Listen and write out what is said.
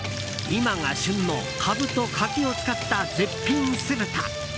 今が旬のカブと柿を使った絶品酢豚。